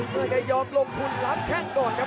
เพื่อให้ยอมรมคุณรับแค่งดอดครับ